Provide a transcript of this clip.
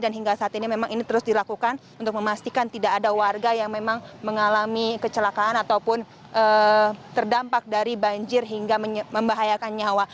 dan hingga saat ini memang ini terus dilakukan untuk memastikan tidak ada warga yang memang mengalami kecelakaan ataupun terdampak dari banjir hingga membahayakan nyawa